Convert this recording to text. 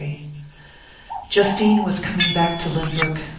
XXIII JUSTINE was coming back to Lynbrook.